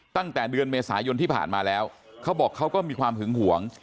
ตั้งแต่เดือนเมษายนที่ผ่านมาแล้วเขาบอกเขาก็มีความหึงหวง